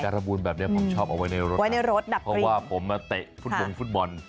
การบูลแบบนี้ผมชอบเอาไว้ในรถเพราะว่าผมมาเตะฟุตบอล